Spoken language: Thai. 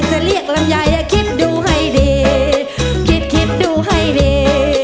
จะเรียกลำไยอย่าคิดดูให้ดีคิดคิดดูให้ดี